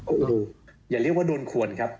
โอ้โหอย่าเรียกว่าโดนควรครับ